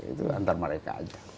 itu antar mereka aja